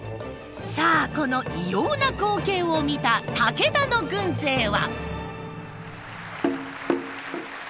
さあこの異様な光景を見た武田の軍勢は。